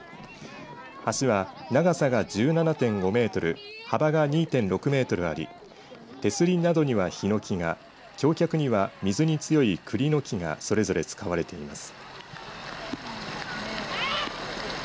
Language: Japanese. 橋は長さが１７．５メートル幅が２．６メートルあり手すりなどには、ひのきが橋脚には水に強いくりの木がそれぞれ使われています。